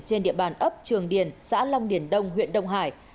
trên địa bàn ấp trường điền xã long điền đông huyện đông hải